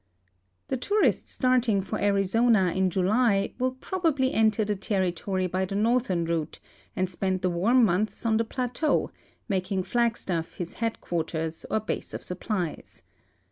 The tourist starting for Arizona in July will prohuMy enter tlie territory by the northern route and spend the warm months on tlie plateau, making Flagstaff his head(iuart<'rs or l)ase of supplies.